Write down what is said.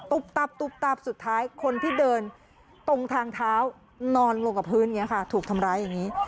ตับตุ๊บตับสุดท้ายคนที่เดินตรงทางเท้านอนลงกับพื้นอย่างนี้ค่ะถูกทำร้ายอย่างนี้